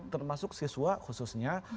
termasuk siswa khususnya